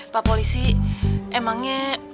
pak polisi emangnya